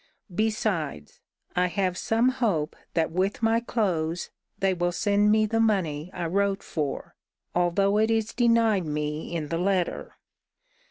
Besides, I have some hope that with my clothes they will send me the money I wrote for, although it is denied me in the letter.